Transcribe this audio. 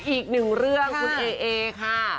อีกหนึ่งเรื่องคุณเอเอค่ะ